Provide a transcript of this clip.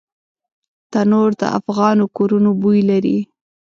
تنور د افغانو کورونو بوی لري